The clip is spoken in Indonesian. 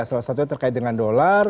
salah satunya terkait dengan dolar